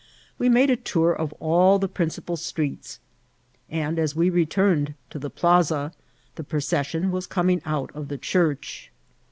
We made the tour of all the principal streets, and as we returned to the plaza the procession was coming out of the church.